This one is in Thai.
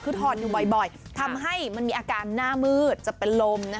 คือถอดอยู่บ่อยทำให้มันมีอาการหน้ามืดจะเป็นลม